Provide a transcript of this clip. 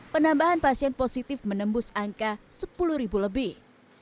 penambahan pasien positif menembus angka sepuluh ribu lebih